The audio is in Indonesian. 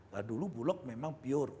nah dulu bulog memang pure